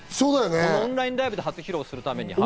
オンラインライブで初披露するために。